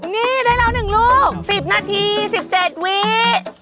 นี่ได้แล้วหนึ่งลูกสิบนาทีสิบเจ็ดวินิติ